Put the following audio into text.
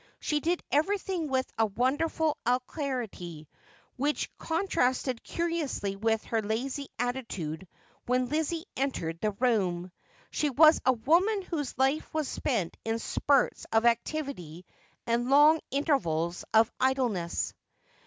She did everything with a wonderful alacrity, which contrasted curiously with her lazy attitude when Lizzie entered the room. She was a woman whose life was spent in spurts of activity and long intervals of idleness.